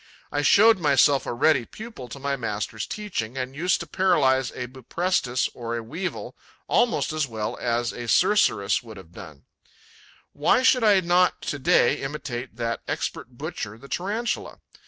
I showed myself a ready pupil to my masters' teaching and used to paralyze a Buprestis or a Weevil almost as well as a Cerceris could have done. Why should I not to day imitate that expert butcher, the Tarantula?